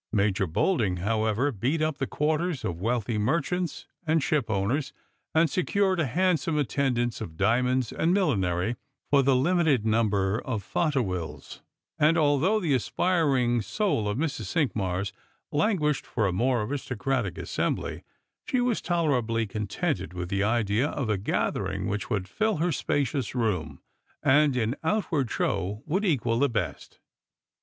Major Bolding, however, beat up the quarters of wealthy mer chants and shipowners, and secured a handsome attendance of diamonds and millinery for the limited number of fauteuils; and although the aspiring soul of Mrs. Cinqmars languished for a more aristocratic assembly, she was tolerably cou tented with the idea of a gathering which would fill her spacious room, and in outward show would equal the best.